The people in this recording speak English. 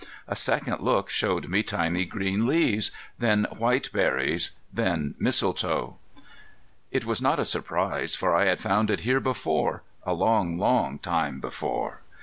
A second look showed me tiny green leaves, then white berries, then mistletoe. It was not a surprise, for I had found it here before,—a long, long time before.